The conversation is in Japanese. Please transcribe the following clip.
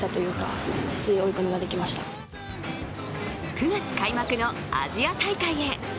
９月開幕のアジア大会へ。